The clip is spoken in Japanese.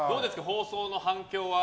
放送の反響は。